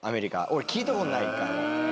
俺聞いたことない１回も。